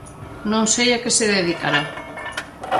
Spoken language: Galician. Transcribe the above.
Non sei a que se dedicará.